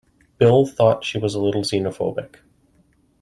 Bill thought she was a little xenophobic.